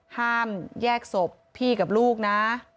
ห้ามแยกศพพี่กับลูกนะ